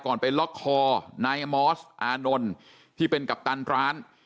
ไปล็อกคอนายมอสอานนท์ที่เป็นกัปตันร้าน